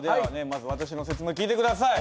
まず私の説明聞いて下さい。